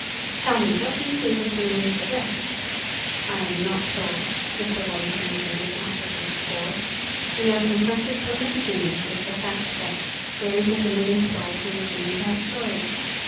Tell me, what do you think of doing with the rest?" "I am not sure," Mr. Waddington admitted, after a brief pause. "We are confronted from the beginning with the fact that there isn't a living soul who would believe our story.